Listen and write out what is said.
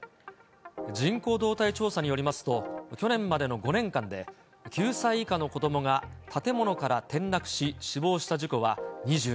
人口動態調査によりますと、去年までの５年間で、９歳以下の子どもが建物から転落し死亡した事故は２２件。